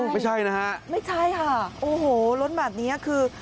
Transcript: ไม่ใช่นะฮะไม่ใช่ค่ะโอ้โหล้นแบบนี้คือ